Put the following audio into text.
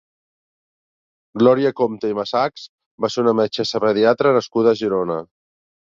Glòria Compte i Massachs va ser una metgessa pediatra nascuda a Girona.